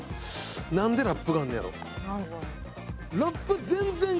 何でラップがあんのやろ？